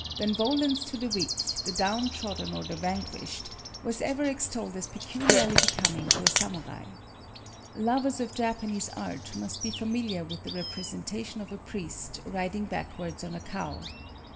Benevolence to the weak, the downtrodden or the vanquished, was ever extolled as peculiarly becoming to a samurai. Lovers of Japanese art must be familiar with the representation of a priest riding backwards on a cow.